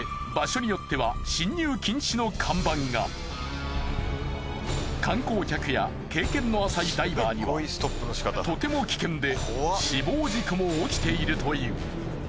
そのため観光客や経験の浅いダイバーにはとても危険で死亡事故も起きているという。